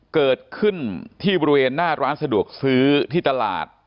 เกิดขึ้นที่บริเวณหน้าร้านสะดวกซื้อที่ตลาด